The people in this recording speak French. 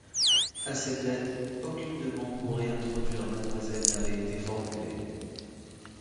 À cette date, aucune demande pour réintroduire Mademoiselle n'avait été formulée.